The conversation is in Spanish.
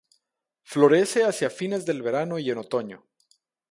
Florece hacia fines del verano y en otoño.